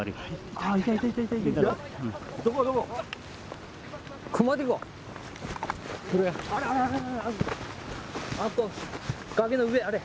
あそこ崖の上あれ。